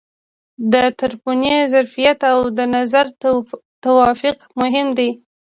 د طرفینو ظرفیت او د نظر توافق مهم دي.